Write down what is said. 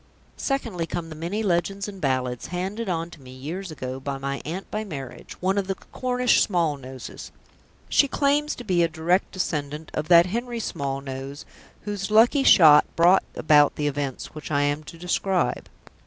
Secondly, come the many legends and ballads handed on to me years ago by my aunt by marriage, one of the Cornish Smallnoses. She claims to be a direct descendant of that Henry Smallnose whose lucky shot brought about the events which I am to describe.